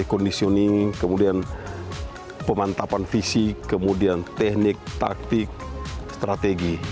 dekondisioning kemudian pemantapan fisik kemudian teknik taktik strategi